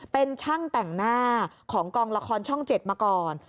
เป็นช่างแต่งหน้าของกองละครช่อง๗มาก่อน